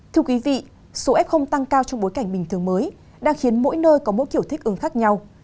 thưa quý vị số f tăng cao trong bối cảnh bình thường mới đang khiến mỗi nơi có mỗi kiểu thích ứng khác nhau